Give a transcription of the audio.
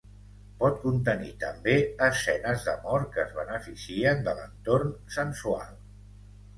Pot contenir també escenes d'amor que es beneficien de l'entorn sensual.